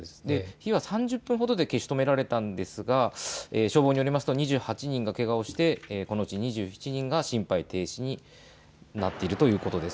火は３０分ほどで消し止められたんですが消防によりますと２８人がけがをしてこのうち２７人が心肺停止になっているということです。